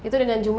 itu dengan jumlah